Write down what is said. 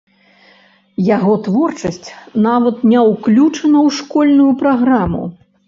Яго творчасць нават не ўключана ў школьную праграму.